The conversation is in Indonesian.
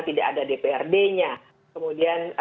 tidak ada dprd nya kemudian